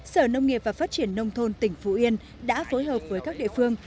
sở nông nghiệp và phát triển nông thôn tỉnh phú yên đã phối hợp với các địa phương